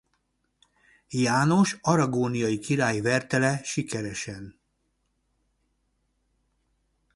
János aragóniai király verte le sikeresen.